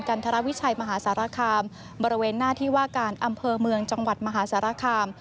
ทรวิชัยมหาสารคามบริเวณหน้าที่ว่าการอำเภอเมืองจังหวัดมหาสารคาม